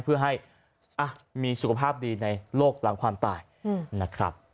เพื่อให้มีสุขภาพดีในโลกหลังความตายนะครับ